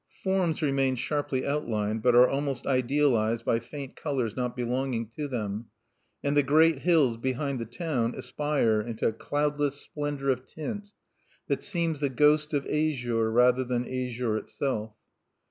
Forms remain sharply outlined, but are almost idealized by faint colors not belonging to them; and the great hills behind the town aspire into a cloudless splendor of tint that seems the ghost of azure rather than azure itself.